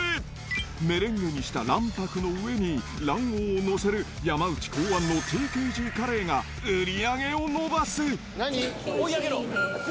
メレンゲにした卵白の上に卵黄を載せる山内考案のＴＫＧカレーが、ＴＫＧで。